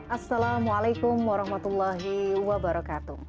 assalamualaikum warahmatullahi wabarakatuh